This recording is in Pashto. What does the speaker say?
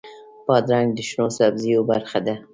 بادرنګ د شنو سبزیو برخه ده.